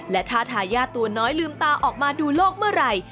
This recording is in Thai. และถ้าทายาทตัวน้อยลืมตาออกมาดูโลกเมื่อไหร่